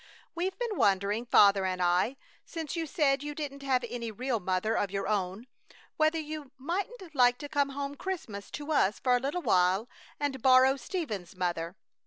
We've been wondering, Father and I, since you said you didn't have any real mother of your own, whether you mightn't like to come home Christmas to us for a little while and borrow Stephen's mother.